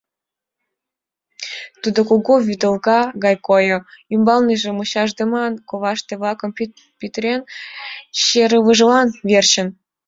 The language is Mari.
Тудо кугу вӱдылка гай койо, ӱмбаланже мучашдымын коваште-влакым пӱтырен — чержылан верчын.